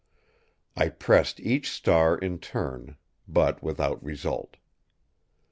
I pressed each star in turn; but without result.